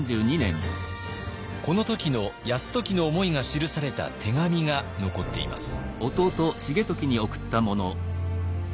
この時の泰時の思いが記された手紙が残っています。